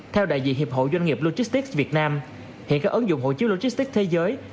theo đại diện hiệp hội doanh nghiệp logistics việt nam hiện các ứng dụng hộ chiếu logistics thế giới